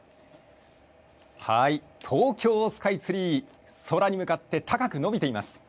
東京スカイツリー、空に向かって高く伸びています。